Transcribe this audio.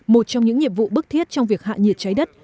một trong những nhiệm vụ bức thiết trong việc hạ nhiệt trái đất